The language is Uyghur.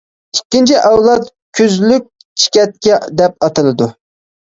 ئىككىنچى ئەۋلاد كۈزلۈك چېكەتكە دەپ ئاتىلىدۇ.